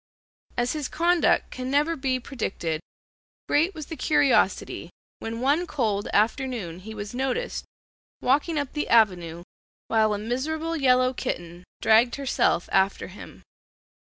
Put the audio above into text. As his conduct can never be predicted, great was the curiosity when one cold afternoon he was noticed walking up the avenue while a miserable yellow kitten dragged herself after him.